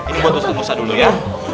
ini buat ustadz musa dulu ya